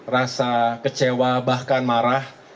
rasa kecewa bahkan marah